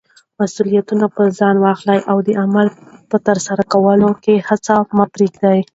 مسولیتونه پر ځان واخله او د عمل په ترسره کولو کې هڅه مه پریږده.